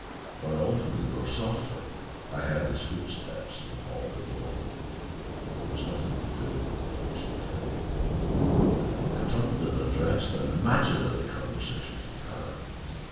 When I opened the door softly, I heard his footsteps in the hall below. There was nothing to do but to finish the play. "I turned and addressed an imaginary conversation to Kara.